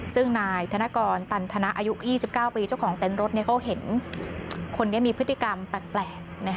ซึ่งนายธนกรตันทนะอายุ๒๙ปีเจ้าของเต้นรถเขาเห็นคนนี้มีพฤติกรรมแปลก